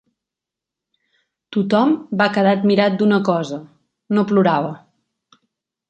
Tot-hom va quedar admirat d'una cosa, no plorava.